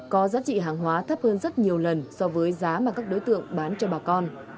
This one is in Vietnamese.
có giá trị hàng hóa thấp hơn rất nhiều lần so với giá mà các đối tượng bán cho bà con